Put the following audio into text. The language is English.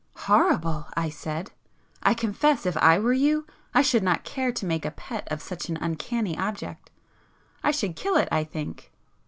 "Horrible!" I said—"I confess, if I were you, I should not care to make a pet of such an uncanny object. I should kill it, I think."